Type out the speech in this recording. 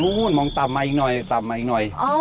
อุ๊ยมองตามมาอีกหน่อยตามมาอีกหน่อย